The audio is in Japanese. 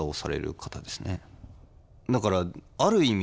だからある意味